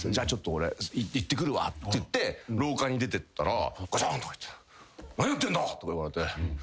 俺行ってくるわって言って廊下に出てったらガチャン「何やってんだ！」とか言われて。